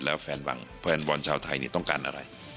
และแฟนบอร์ลชาวไทยนี่ต้องการอะไร